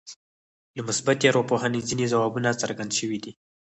له مثبتې ارواپوهنې ځينې ځوابونه څرګند شوي دي.